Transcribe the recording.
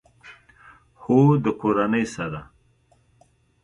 هو، د کورنۍ سره